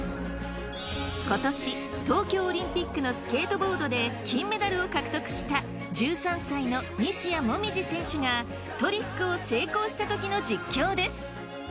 今年東京オリンピックのスケートボードで金メダルを獲得した１３歳の西矢椛選手がトリックを成功した時の実況です。